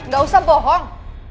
ga usah bohong